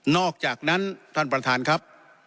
อกจากนั้นท่านประธานครับ